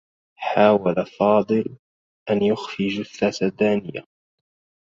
حاول فاضل أن يخفي جثة دانية.